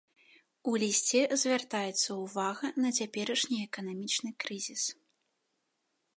У лісце звяртаецца ўвага на цяперашні эканамічны крызіс.